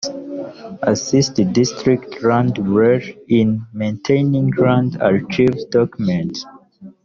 Assist District land bureau in maintaining land archives/document